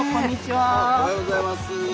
おはようございます。